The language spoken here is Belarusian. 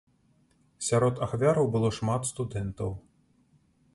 Сярод ахвяраў было шмат студэнтаў.